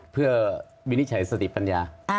เพื่อวินิจฉัยสติปัญญา